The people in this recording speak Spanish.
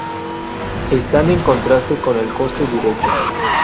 Están en contraste con el coste directo.